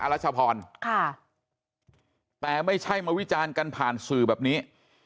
รัชพรค่ะแต่ไม่ใช่มาวิจารณ์กันผ่านสื่อแบบนี้